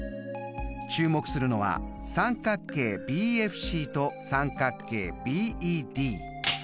注目するのは三角形ＢＦＣと三角形ＢＥＤ。